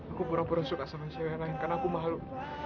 aku pura pura suka sama cnn karena aku malu